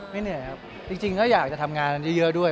เหนื่อยครับจริงก็อยากจะทำงานเยอะด้วย